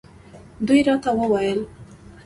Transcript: دوی راته وویل.